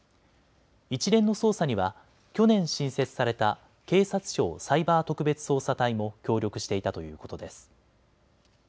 一連の捜査には去年、新設された警察庁サイバー特別捜査隊も協力していたということです。